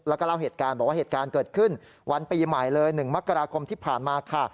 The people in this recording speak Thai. แล้วก็เล่าเหตุการณ์บอกว่าเหตุการณ์เกิดขึ้นวันปีใหม่เลย๑มกราคมที่ผ่านมาค่ะ